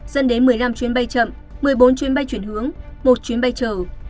dẫn đến một mươi năm chuyến bay chậm một mươi bốn chuyến bay chuyển hướng một chuyến bay chở